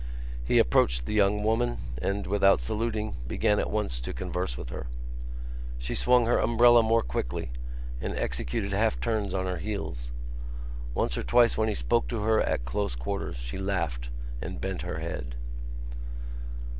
He approached the young woman and, without saluting, began at once to converse with her. She swung her umbrella more quickly and executed half turns on her heels. Once or twice when he spoke to her at close quarters she laughed and bent her head.